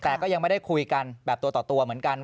แต่ก็ยังไม่ได้คุยกันแบบตัวต่อตัวเหมือนกัน